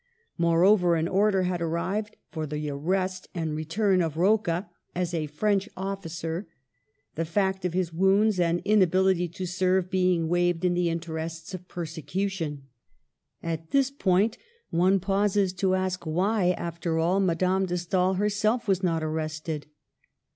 Moreover, an order had arrived for the arrest and return of Rocca as a French officer — the fact of his wounds and inability to serve being waived in the interests of persecution. At this point one pauses to ask why, after all, Madame de Stael herself was not arrested.